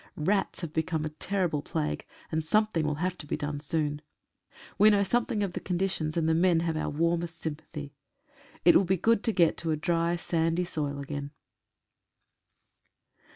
Rats have become a terrible plague, and something will have to be done soon. We know something of the conditions, and the men have our warmest sympathy. It will be good to get to a dry, sandy soil again.